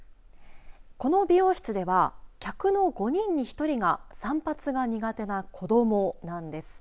この美容室では客の５人に１人が散髪が苦手な子どもなんです。